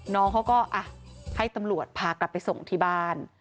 น้องเขาก็ให้ตำรวจพากลับไปส่งที่บ้าน